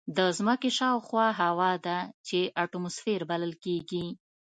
د ځمکې شاوخوا هوا ده چې اتماسفیر بلل کېږي.